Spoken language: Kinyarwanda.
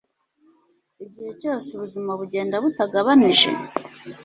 Igihe cyose ubuzima bugenda butagabanije?